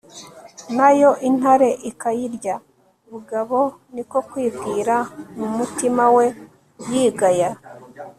na yo intare ikayirya. bugabo ni ko kwibwira mu mutima we yigaya